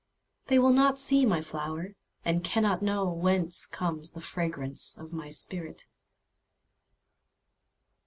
They will not see my flower, And cannot knowWhence comes the fragrance of my spirit!